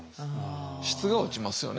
質が落ちますよね